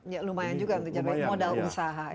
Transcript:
ya lumayan juga untuk modal usaha ya